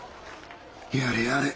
やれやれ。